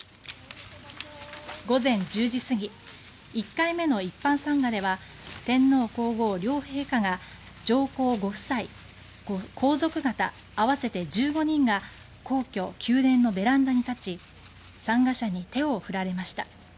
午前１０時過ぎ１回目の一般参賀では天皇・皇后両陛下や上皇ご夫妻、皇族方合わせて１５人が皇居・宮殿のベランダに立ち参賀者に手を振られました。